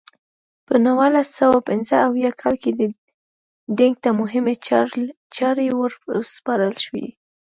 په نولس سوه پنځه اویا کال کې دینګ ته مهمې چارې ور وسپارل شوې.